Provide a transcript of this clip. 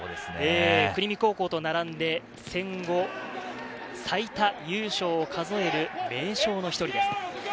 国見高校と並んで戦後最多優勝を数える名将の１人です。